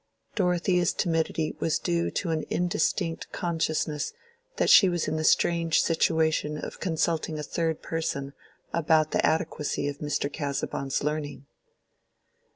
Dorothea's timidity was due to an indistinct consciousness that she was in the strange situation of consulting a third person about the adequacy of Mr. Casaubon's learning.